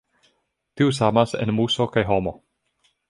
Tiu samas en muso kaj homo.